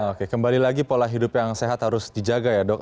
oke kembali lagi pola hidup yang sehat harus dijaga ya dok